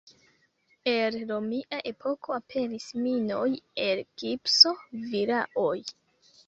El romia epoko aperis minoj el gipso, vilaoj.